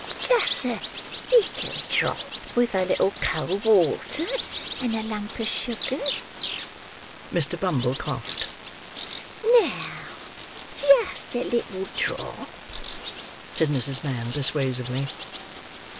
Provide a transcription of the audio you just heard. "Just a leetle drop, with a little cold water, and a lump of sugar." Mr. Bumble coughed. "Now, just a leetle drop," said Mrs. Mann persuasively.